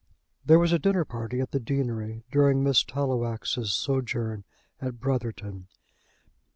There was a dinner party at the deanery during Miss Tallowax's sojourn at Brotherton.